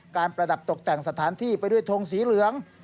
ประดับตกแต่งสถานที่ไปด้วยทงสีเหลือง